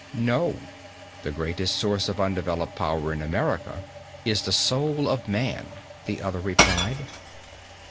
"No. The greatest source of undeveloped power in America is the soul of man," the other replied.